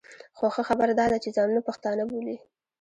خو ښه خبره دا ده چې ځانونه پښتانه بولي.